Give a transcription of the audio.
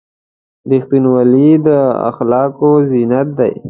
• رښتینولي د اخلاقو زینت دی.